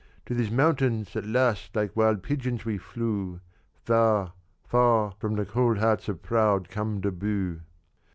To these mountains at last like wild pigeons we flew, Far, far from the cold hearts of proud Camdebóo.